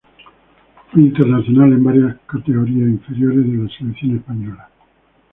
Fue internacional en varias categorías inferiores de la selección española.